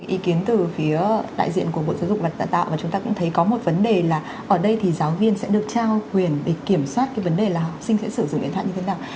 ý kiến từ phía đại diện của bộ giáo dục và tạ tạo và chúng ta cũng thấy có một vấn đề là ở đây thì giáo viên sẽ được trao quyền để kiểm soát cái vấn đề là học sinh sẽ sử dụng điện thoại như thế nào